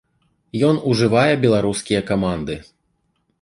Ён ўжывае беларускія каманды.